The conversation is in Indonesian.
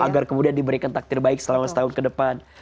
agar kemudian diberikan takdir baik selama setahun ke depan